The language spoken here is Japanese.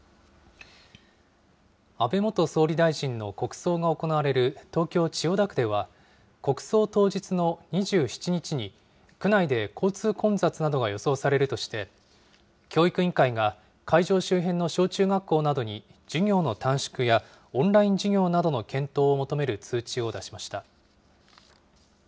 安倍元総理大臣の国葬が行われる東京・千代田区では、国葬当日の２７日に、区内で交通混雑などが予想されるとして、教育委員会が会場周辺の小中学校などに、授業の短縮やオンライン授業などの検討を求める通知を出しました。